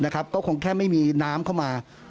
ก็คงแค่ไม่มีน้ำเข้ามา